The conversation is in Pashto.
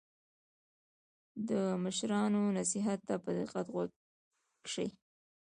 د مشرانو نصیحت ته په دقت غوږ شئ.